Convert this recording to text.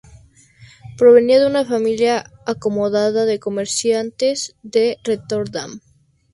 Provenía de una familia acomodada de comerciantes de Róterdam.